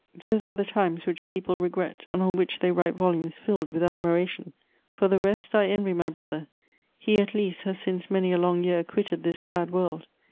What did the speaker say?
Those are the times which people regret, and on which they write volumes filled with admiration! For the rest, I envy my brother: he, at least, has since many a long year quitted this sad world.